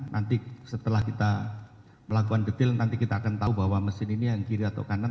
nanti setelah kita melakukan detail nanti kita akan tahu bahwa mesin ini yang kiri atau kanan